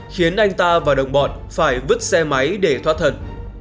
khiến anh ta và đồng bọn phải vứt xe máy để thoát thần